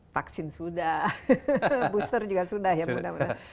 vaksin sudah booster juga sudah ya mudah mudahan